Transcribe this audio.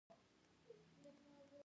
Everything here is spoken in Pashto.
بېاړیکې ژوند تش ښکاري.